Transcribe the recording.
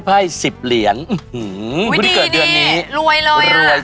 ต่อไปค่ะผู้ที่เกิดในเดือนมีนาคมค่ะ